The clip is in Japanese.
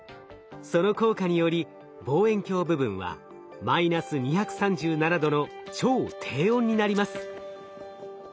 その効果により望遠鏡部分はマイナス２３７℃の超低温になります。